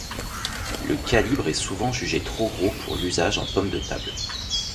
Le calibre est souvent jugé trop gros pour l'usage en pomme de table.